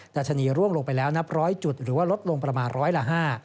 ชนีร่วงลงไปแล้วนับร้อยจุดหรือว่าลดลงประมาณร้อยละ๕